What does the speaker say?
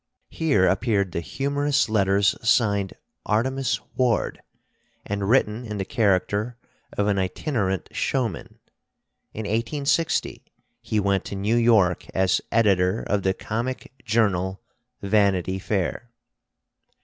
Here appeared the humorous letters signed "Artemus Ward" and written in the character of an itinerant showman. In 1860 he went to New York as editor of the comic journal Vanity Fair.